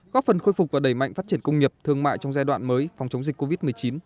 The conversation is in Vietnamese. góp phần khôi phục và đẩy mạnh phát triển công nghiệp thương mại trong giai đoạn mới phòng chống dịch covid một mươi chín